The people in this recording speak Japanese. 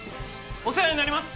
お世話になります